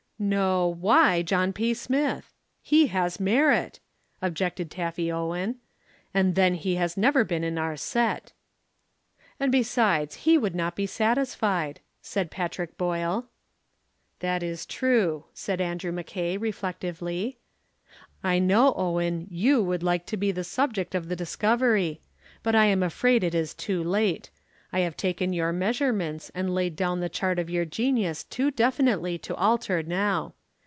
"No, why John P. Smith? He has merit," objected Taffy Owen. "And then he has never been in our set." "And besides he would not be satisfied," said Patrick Boyle. "That is true," said Andrew Mackay reflectively. "I know, Owen, you would like to be the subject of the discovery. But I am afraid it is too late. I have taken your measurements and laid down the chart of your genius too definitely to alter now.